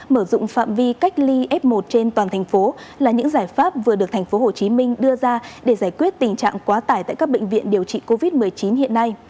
mở rộng phạm vi cách ly f một trên toàn thành phố là những giải pháp vừa được tp hcm đưa ra để giải quyết tình trạng quá tải tại các bệnh viện điều trị covid một mươi chín hiện nay